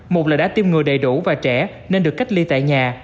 một là đã tiêm ngừa đầy đủ và trẻ nên được cách ly tại nhà